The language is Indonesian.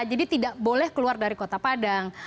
jadi tidak boleh keluar dari kota padang